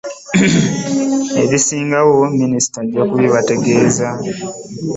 Ebisingawo Minisita ajja ku bibategeeza